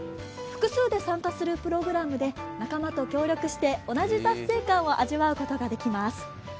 複数で参加するプログラムで仲間と協力して同じ達成感を味わうことができます。